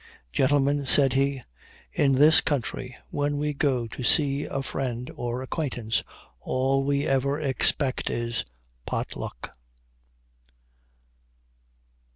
"Gentlemen," said he, "in this country, when we go to see a friend or acquaintance, all we ever expect is pot luck!"